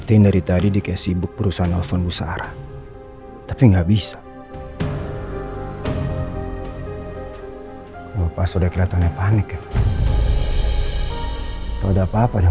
enggak diangkat angkat sih bikin khawatir aja